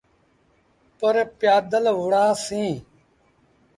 پر پيٚآدل وُهڙآ سيٚݩ۔